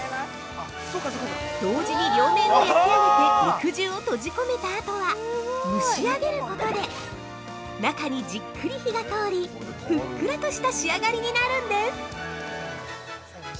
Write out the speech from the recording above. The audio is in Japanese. ◆同時に両面を焼き上げて肉汁を閉じ込めたあとは蒸し上げることで中にじっくり火が通りふっくらとした仕上がりになるんです。